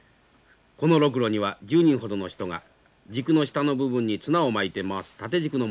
このロクロには１０人ほどの人が軸の下の部分に綱を巻いて回す縦軸のものです。